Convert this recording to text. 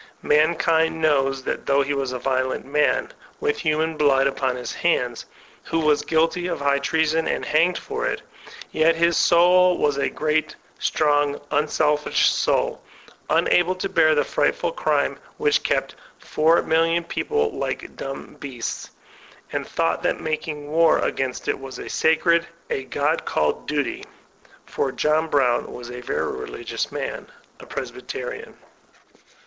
Mankind knows that though he was a violent man, with human blood upon his hands, who was guilty of high treason and hanged for it, yet his soul was a great, strong, unselfish soul, unable to bear the frightful crime which kept 4,000,000 people like dumb beasts, and thought that making war against it was a sacred, a God called duty, ( for John Brown was a very religious man — a Presbyterian).